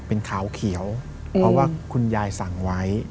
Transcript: เป็นขาวเขียวเพราะว่าคุณยายสั่งไว้